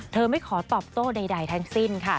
เธอไม่ขอตอบโตใดทางสิ้นค่ะ